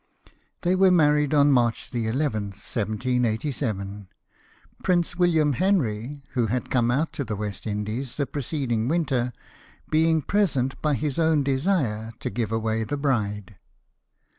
They were married on March 11, 1787 ; Prince William Henry, who had come out to the West Indies the preceding winter, being present, by his own desire, to give away the bride.